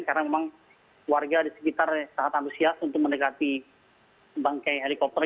karena memang warga di sekitar sangat antusias untuk mendekati bangke helikopter